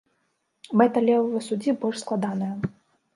Мэта левага суддзі больш складаная.